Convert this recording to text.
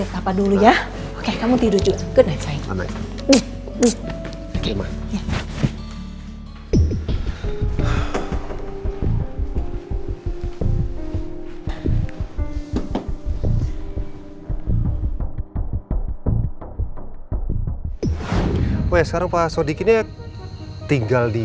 kok kamu disini